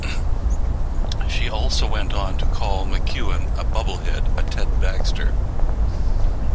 She also went on to call McKeown a bubble-head, a Ted Baxter.